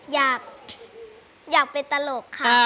อยากอยากเป็นตลกค่ะ